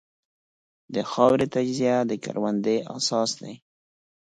د خاورې تجزیه د کروندې اساس دی.